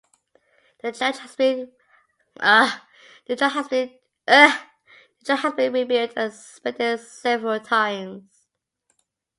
The church has been rebuilt and expanded several times.